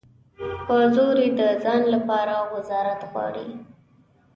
په زور یې د ځان لپاره وزارت غواړي.